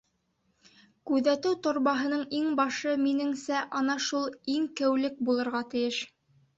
Күҙәтеү Торбаһының иңбашы, минеңсә, ана шул иңкеүлек булырға тейеш.